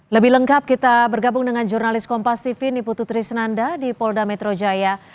lebih lengkap kita bergabung dengan jurnalis kompas tv niputu trisnanda di polda metro jaya